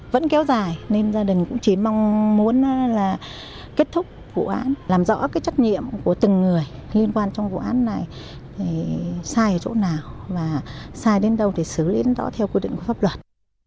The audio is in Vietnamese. vẫn kéo dài nên gia đình cũng chỉ mong muốn là kết thúc vụ án làm rõ cái trách nhiệm của từng người liên quan trong vụ án này sai ở chỗ nào và sai đến đâu thì xử lý đến đó theo quy định của pháp luật